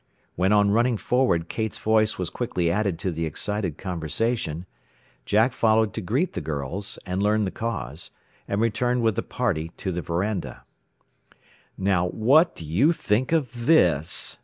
When on running forward Kate's voice was quickly added to the excited conversation, Jack followed to greet the girls, and learn the cause, and returned with the party to the veranda. "Now what do you think of this?"